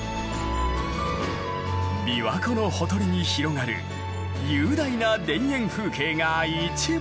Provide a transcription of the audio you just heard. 琵琶湖のほとりに広がる雄大な田園風景が一望だ。